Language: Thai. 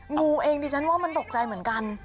งูเองดิฉันว่ามันตกใจเหมือนกัน